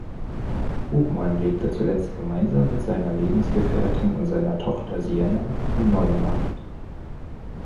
Hubmann lebte zuletzt gemeinsam mit seiner Lebensgefährtin und seiner Tochter Sienna in Neumarkt.